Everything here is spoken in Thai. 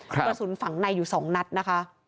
กระสุนฝังในอยู่๒นัดนะคะ